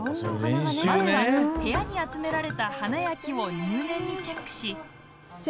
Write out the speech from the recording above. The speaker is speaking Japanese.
まずは部屋に集められた花や木を入念にチェックし。